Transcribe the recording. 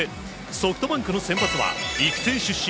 ソフトバンクの先発は育成出身